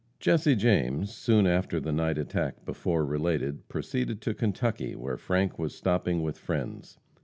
Jesse James, soon after the night attack before related, proceeded to Kentucky, where Frank was stopping with friends.